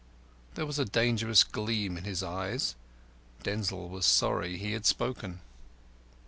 There was a dangerous gleam in his eyes. Denzil was sorry he had spoken.